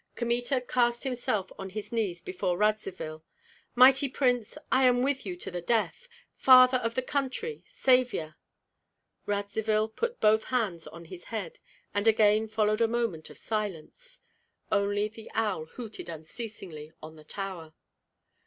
Kmita cast himself on his knees before Radzivill. "Mighty prince, I am with you to the death! Father of the country, savior!" Radzivill put both hands on his head, and again followed a moment of silence. Only the owl hooted unceasingly on the tower.